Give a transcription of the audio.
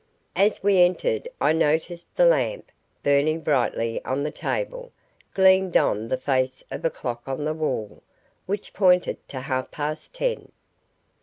As we entered I noticed the lamp, burning brightly on the table, gleamed on the face of a clock on the wall, which pointed to half past ten.